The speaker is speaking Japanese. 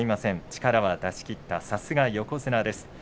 力は出し切った、さすが横綱です。